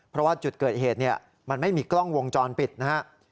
เพราะว่าจุดเกิดเหตุเนี่ยมันไม่มีกล้องวงจรปิดนะครับ